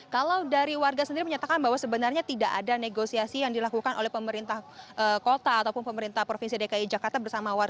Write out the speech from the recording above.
kalau dari warga sendiri menyatakan bahwa sebenarnya tidak ada negosiasi yang dilakukan oleh pemerintah kota ataupun pemerintah provinsi dki jakarta